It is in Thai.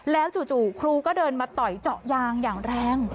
แล้วจู่ครูก็เดินมาต่อยเจาะยางอย่างแรง